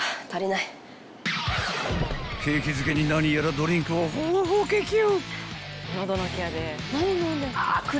［景気づけに何やらドリンクをホーホケキョ］